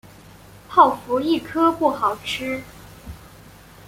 泡芙一颗不好吃